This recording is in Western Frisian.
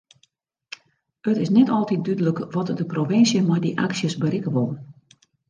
It is net altyd dúdlik wat de provinsje met dy aksjes berikke wol.